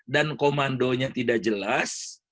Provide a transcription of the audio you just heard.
dan komandonya tidak jelas